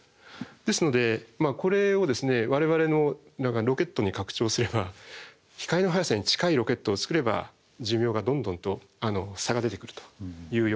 ですのでこれを我々のロケットに拡張すれば光の速さに近いロケットを作れば寿命がどんどんと差が出てくるというようなことに。